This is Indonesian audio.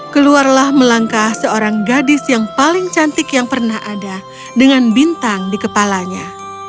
keluarlah melangkah seorang gadis yang paling cantik yang pernah ada dengan bintang di kepalanya